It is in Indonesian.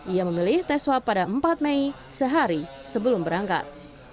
ia memilih tes swab pada empat mei sehari sebelum berangkat